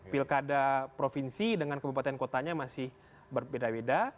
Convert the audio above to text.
pilkada provinsi dengan kabupaten kotanya masih berbeda beda